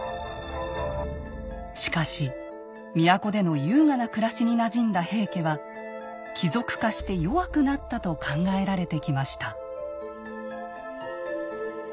しかし都での優雅な暮らしになじんだ平家は貴族化して弱くなったと考えられてきました。